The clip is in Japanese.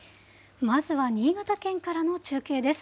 まずは新潟県からの中継です。